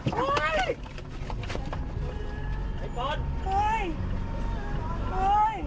เฮ้ยเฮ้ยเฮ้ยเฮ้ย